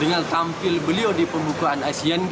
dengan tampil beliau di pembukaan asean g